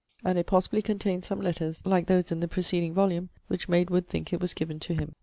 and it possibly contained some letters, like those in the preceding volume, which made Wood think it was given to him.